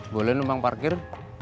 boleh numpang parkir